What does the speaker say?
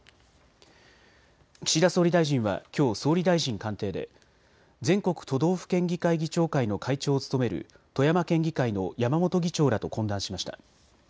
岸田総理大臣はきょう総理大臣官邸で全国都道府県議会議長会の会長を務める富山県議会の山本議長らと懇談しました。